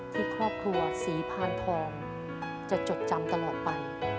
ที่ครอบครัวศรีพานทองจะจดจำตลอดไป